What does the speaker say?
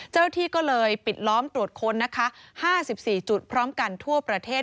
เจ้าหน้าที่ก็เลยปิดล้อมตรวจค้นนะคะ๕๔จุดพร้อมกันทั่วประเทศ